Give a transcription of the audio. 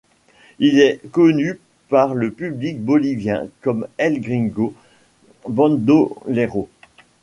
Il est connu par le public bolivien comme El Gringo Bandolero.